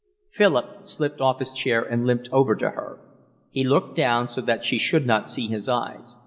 Philip slipped off his chair and limped over to her. He looked down so that she should not see his eyes.